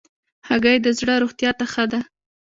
هګۍ د زړه روغتیا ته ښه ده.